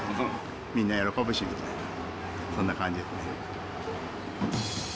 みんな喜ぶしみたいな、そんな感じですね。